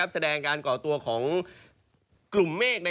แสดงการก่อตัวของกลุ่มเมฆ